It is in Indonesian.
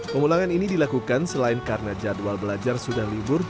pemulangan ini dilakukan selain karena jadwal belajar sudah libur